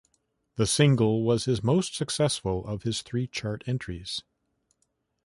The single was his most successful of his three chart entries.